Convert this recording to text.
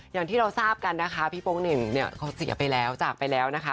อย่างที่เราทราบกันนะคะพี่โป๊งเหน่งเนี่ยเขาเสียไปแล้วจากไปแล้วนะคะ